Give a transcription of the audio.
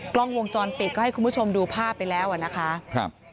กล้องวงจรปิดก็ให้คุณผู้ชมดูภาพไปแล้วอ่ะนะคะครับ